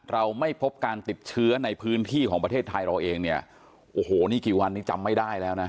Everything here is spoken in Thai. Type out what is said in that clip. เราไม่พบการติดเชื้อในพื้นที่ของประเทศไทยเราเองเนี่ยโอ้โหนี่กี่วันนี้จำไม่ได้แล้วนะ